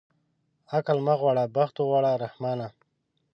عقل مه غواړه بخت اوغواړه رحمانه.